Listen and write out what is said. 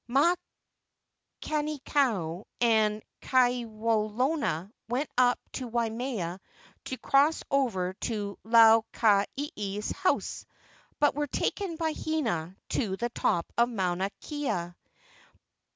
Makani kau and Ka¬ welona went up to Waimea to cross over to Lau ka ieie's house, but were taken by Hina to the top of Mauna Kea.